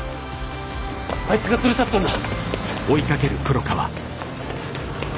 あいつが連れ去ったんだ！